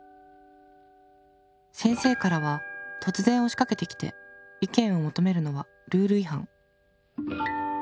先生からは「突然押しかけてきて意見を求めるのはルール違反。